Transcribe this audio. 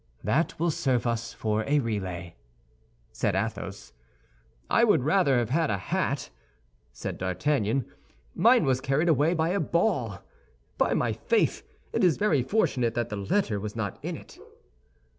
"That will serve us for a relay," said Athos. "I would rather have had a hat," said D'Artagnan. "Mine was carried away by a ball. By my faith, it is very fortunate that the letter was not in it."